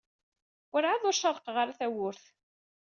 Werɛad ur cerrqeɣ ara tawwurt.